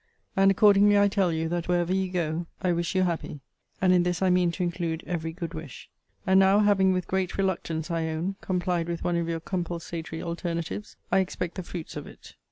And accordingly I tell you, that, wherever you go, I wish you happy. And in this I mean to include every good wish. And now having, with great reluctance I own, complied with one of your compulsatory alternatives, I expect the fruits of it.